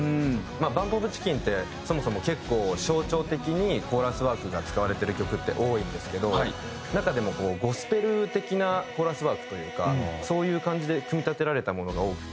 ＢＵＭＰＯＦＣＨＩＣＫＥＮってそもそも結構象徴的にコーラスワークが使われてる曲って多いんですけど中でもゴスペル的なコーラスワークというかそういう感じで組み立てられたものが多くて。